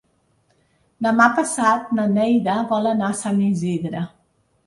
Demà passat na Neida vol anar a Sant Isidre.